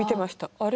あれ？